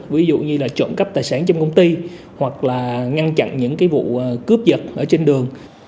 ví dụ như trộm cắp tài sản trong công ty hoặc ngăn chặn những vụ cướp vật trên đường